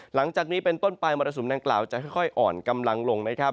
หลังจากนี้เป็นต้นไปมรสุมดังกล่าวจะค่อยอ่อนกำลังลงนะครับ